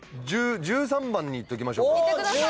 １３番にいっときましょうか。